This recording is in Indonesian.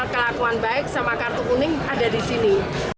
kelakuan baik sama kartu kuning ada di sini